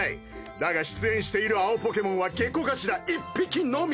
だが出演している青ポケモンはゲコガシラ１匹のみ。